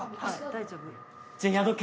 大丈夫。